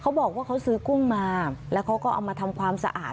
บอกว่าเขาซื้อกุ้งมาแล้วเขาก็เอามาทำความสะอาด